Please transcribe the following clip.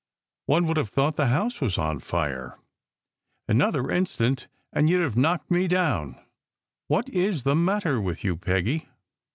One would have thought the house was on fire ! Another instant and you d have knocked me down. What is the matter with you, Peggy?"